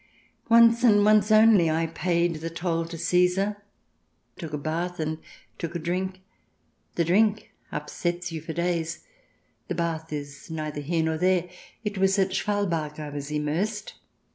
Once and once only I paid the toll to Caesar ; took a bath and took a drink. The drink upsets you for days ; the bath is neither here nor there. It was at Schwalbach I was immersed.